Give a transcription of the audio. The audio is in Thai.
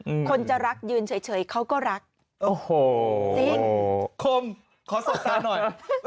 อืมคนจะรักยืนเฉยเฉยเขาก็รักโอ้โหจริงคมขอสดสารหน่อย